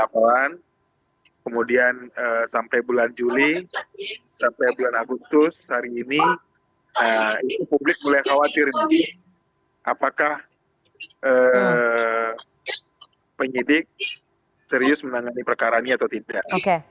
kemudian sampai bulan juli sampai bulan agustus hari ini itu publik mulai khawatir apakah penyidik serius menangani perkara ini atau tidak